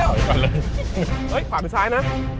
เฮ้ยขวาจะจะซ้ายนะ